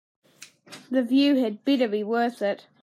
The view had better be worth it.